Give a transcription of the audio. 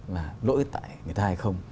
là lỗi tại người ta hay không